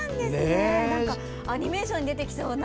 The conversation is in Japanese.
アニメーションに出てきそうな。